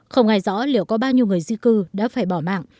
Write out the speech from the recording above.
không ai rõ liệu có bao nhiêu người di cư đã phải bỏ mạng